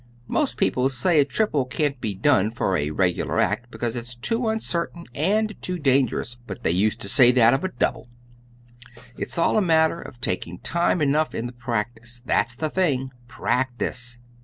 Most people say a triple can't be done for a regular act because it's too uncertain and too dangerous. But they used to say that of a double. It's all a matter of taking time enough in the practice. That's the thing, practice.